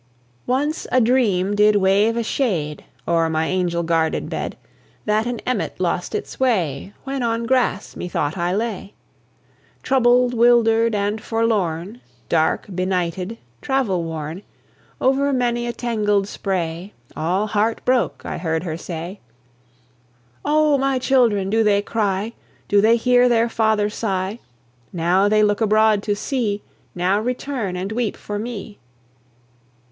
Once a dream did wave a shade O'er my angel guarded bed, That an emmet lost its way When on grass methought I lay. Troubled, 'wildered, and forlorn, Dark, benighted, travel worn, Over many a tangled spray, All heart broke, I heard her say: "Oh, my children! do they cry? Do they hear their father sigh? Now they look abroad to see. Now return and weep for me."